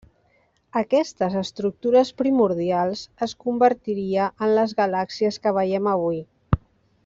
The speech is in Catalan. Aquestes estructures primordials es convertiria en les galàxies que veiem avui.